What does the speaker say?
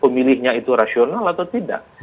pemilihnya itu rasional atau tidak